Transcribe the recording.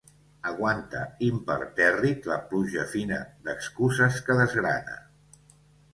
Aguanta impertèrrit la pluja fina d'excuses que desgrana.